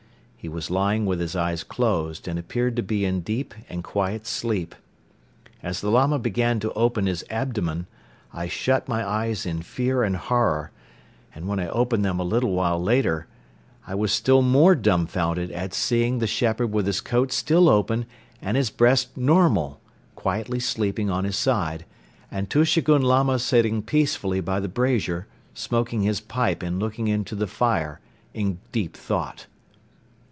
He was lying with his eyes closed and appeared to be in deep and quiet sleep. As the Lama began to open his abdomen, I shut my eyes in fear and horror; and, when I opened them a little while later, I was still more dumbfounded at seeing the shepherd with his coat still open and his breast normal, quietly sleeping on his side and Tushegoun Lama sitting peacefully by the brazier, smoking his pipe and looking into the fire in deep thought.